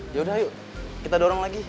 yaudah ayo kita dorong lagi